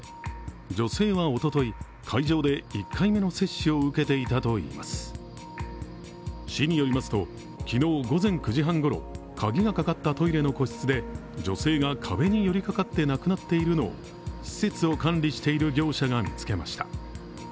女性はおととい、市によりますと、昨日午前９時半ごろ、鍵がかかったトイレの個室で女性が壁に寄りかかって亡くなっているのを施設を管理している業者が見つけました。